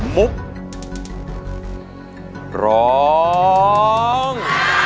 มุกร้อง